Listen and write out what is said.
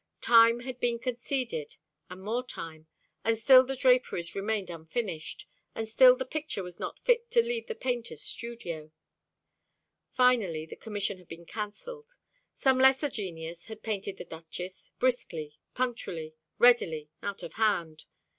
Time had been conceded, and more time, and still the draperies remained unfinished, and still the picture was not fit to leave the painter's studio. Finally the commission had been cancelled. Some lesser genius had painted the Duchess, briskly, punctually, readily, out of hand.